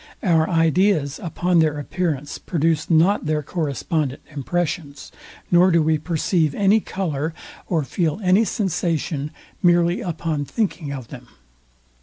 Our ideas upon their appearance produce not their correspondent impressions, nor do we perceive any colour, or feel any sensation merely upon thinking of them.